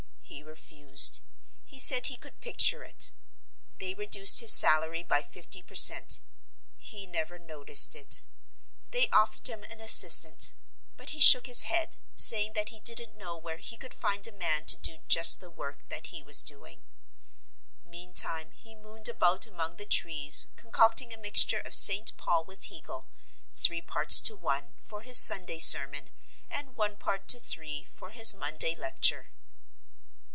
He refused; he said he could picture it. They reduced his salary by fifty per cent; he never noticed it. They offered him an assistant; but he shook his head, saying that he didn't know where he could find a man to do just the work that he was doing. Meantime he mooned about among the trees concocting a mixture of St. Paul with Hegel, three parts to one, for his Sunday sermon, and one part to three for his Monday lecture.